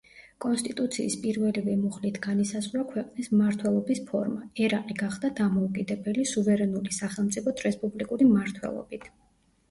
კონსტიტუციის პირველივე მუხლით განისაზღვრა ქვეყნის მმართველობის ფორმა: ერაყი გახდა დამოუკიდებელი, სუვერენული სახელმწიფოდ რესპუბლიკური მმართველობით.